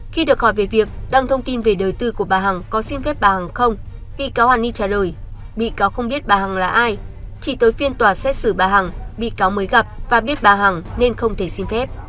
khi được hỏi về việc đăng thông tin về đời tư của bà hằng có xin phép bà hằng không bị cáo hàn ni trả lời bị cáo không biết bà hằng là ai chỉ tới phiên tòa xét xử bà hằng bị cáo mới gặp và biết bà hằng nên không thể xin phép